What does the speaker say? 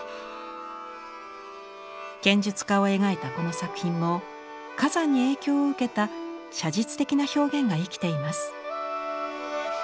剣術家を描いたこの作品も崋山に影響を受けた写実的な表現が生きています。